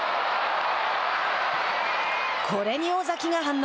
これに尾崎が反応。